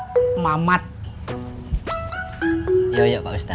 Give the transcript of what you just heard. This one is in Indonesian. adapun daripada tertugasnya saya daripada ke sini adalah untuk mengundang daripada adanya bapak ustadz